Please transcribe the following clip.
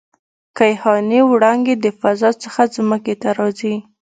کیهاني وړانګې د فضا څخه ځمکې ته راځي.